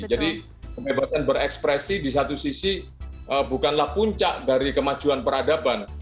jadi kebebasan berekspresi di satu sisi bukanlah puncak dari kemajuan peradaban